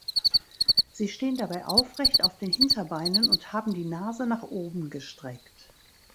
Sie stehen dabei aufrecht auf den Hinterbeinen und haben die Nase nach oben gestreckt.